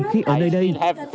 khi ở nơi đây